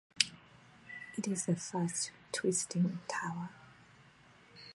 It is the first "twisting" tower.